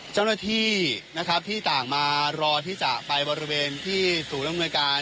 เจ้าหน้าที่นะครับที่ต่างมารอที่จะไปบริเวณที่ศูนย์อำนวยการ